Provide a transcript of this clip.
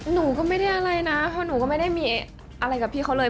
หนูก็ไม่ได้อะไรนะเพราะหนูก็ไม่ได้มีอะไรกับพี่เขาเลย